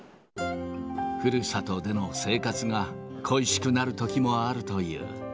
ふるさとでの生活が恋しくなるときもあるという。